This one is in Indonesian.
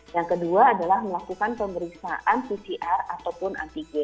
yang kedua adalah melakukan pemeriksaan pcr ataupun antigen